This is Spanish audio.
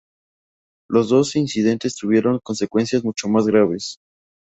Los otros dos incidentes tuvieron consecuencias mucho más graves.